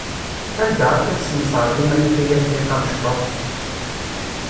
Anda akka tesnesreḍ iman-ik a Afniq amecṭuḥ?